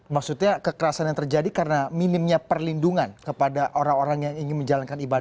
maksudnya kekerasan yang terjadi karena minimnya perlindungan kepada orang orang yang ingin menjalankan ibadah